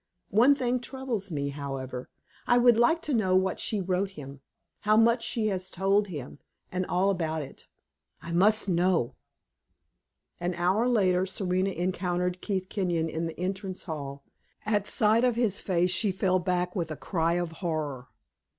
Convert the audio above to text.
One thing troubles me, however. I would like to know what she wrote him, how much she has told him, and all about it. I must know!" An hour later Serena encountered Keith Kenyon in the entrance hall. At sight of his face she fell back with a cry of horror.